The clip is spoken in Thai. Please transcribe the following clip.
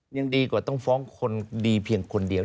ยังดีกว่าต้องฟ้องคนดีเพียงคนเดียว